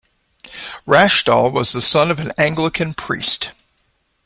Rashdall was the son of an Anglican priest.